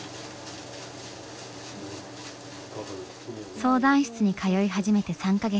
相談室に通い始めて３か月。